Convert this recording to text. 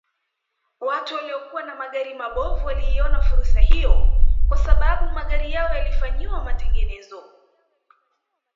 Watu waliokuwa na magari mabovu waliiona fursa hiyo kwa sababu magari yao yalifanyiwa matengenezo